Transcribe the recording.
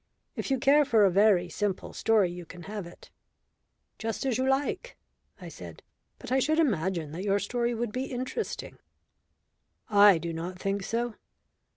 If you care for a very simple story you can have it." "Just as you like," I said. "But I should imagine that your story would be interesting." "I do not think so.